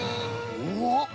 うわっ！